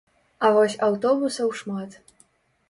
А вось аўтобусаў шмат.